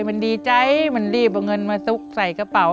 มันดีใจมันรีบเอาเงินมาซุกใส่กระเป๋า